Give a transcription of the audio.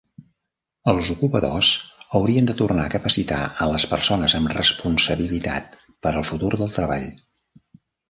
Els ocupadors haurien de tornar a capacitar a les persones amb responsabilitat per al futur del treball.